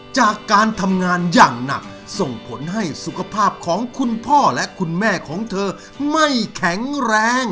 จากการทำงานอย่างหนักส่งผลให้สุขภาพของคุณพ่อและคุณแม่ของเธอไม่แข็งแรง